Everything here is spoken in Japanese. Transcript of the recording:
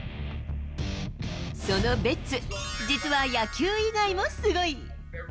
そのベッツ、実は野球以外もすごい。